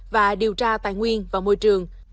và điều tra tài nguyên và môi trường